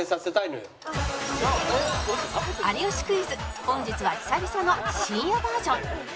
『有吉クイズ』本日は久々の深夜バージョン